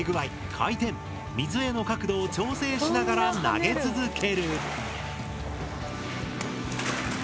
回転水への角度を調整しながら投げ続ける。